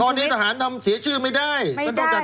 ตอนนี้ทหารทำเสียชื่อไม่ได้ก็ต้องจัด